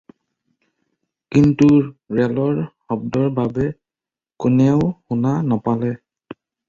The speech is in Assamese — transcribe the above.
কিন্তু ৰেলৰ শব্দৰ বাবে কোনেও শুনা নাপালে।